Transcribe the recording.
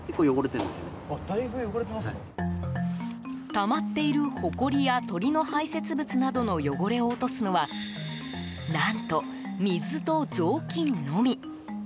たまっているほこりや鳥の排泄物などの汚れを落とすのは何と、水と雑巾のみ。